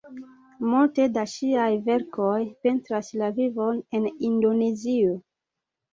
Multe da ŝiaj verkoj pentras la vivon en Indonezio.